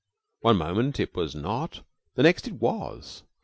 One moment it was not the next it was.